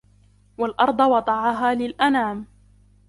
والأرض وضعها للأنام